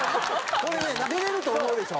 これね寝れると思うでしょ？